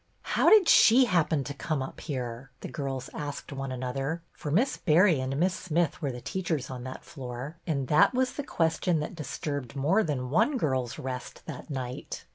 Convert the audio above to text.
" How did she happen to come up here ?" the girls asked one another, for Miss Berry and Miss Smith were the teachers on that floor; and that was the question that dis turbed more than one girl's rest that night.